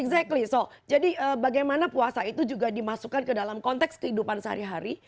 jadi alangkah bagaimana puasa itu juga dimasukkan ke dalam konteks kehidupan sehari hari